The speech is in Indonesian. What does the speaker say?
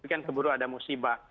bukan keburu ada musibah